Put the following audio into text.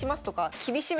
厳しめ。